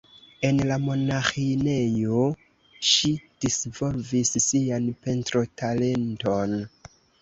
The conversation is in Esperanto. En la monaĥinejo ŝi disvolvis sian pentrotalenton.